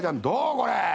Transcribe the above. これ。